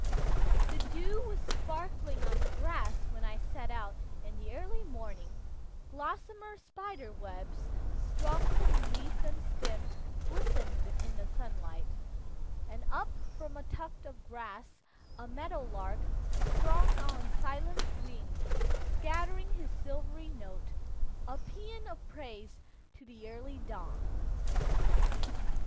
The dew was sparkling on the grass when I set out in the early morning, gossamer spider webs strung from leaf and stem glistened in the sunlight, and up from a tuft of grass a meadow lark sprang on silent wing, scattering his silvery notes, a paean of praise to the early dawn.